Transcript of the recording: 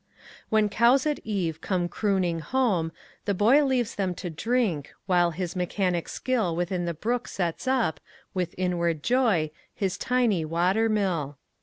When cows at eve come crooning home, the boyLeaves them to drink, while his mechanic skillWithin the brook sets up, with inward joy, His tiny water mill.